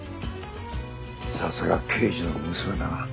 さすが刑事の娘だな。